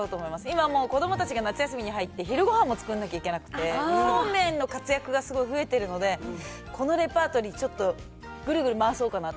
今もう子どもたちが夏休みに入って、昼ごはんも作らなきゃいけないなくて、そうめんの活躍がすごい増えてるので、このレパートリー、ちょっとぐるぐる回そうかな。